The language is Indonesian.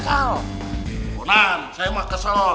konan saya mah kesel